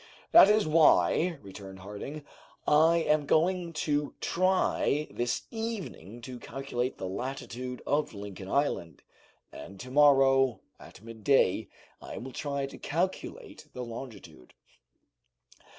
"That is why," returned Harding, "I am going to try this evening to calculate the latitude of Lincoln Island, and to morrow, at midday, I will try to calculate the longitude."